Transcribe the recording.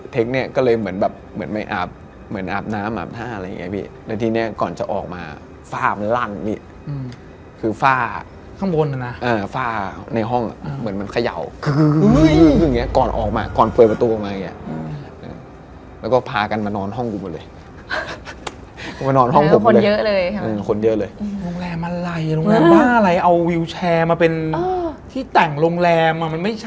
ที่มันจะเป็นซี่แหลม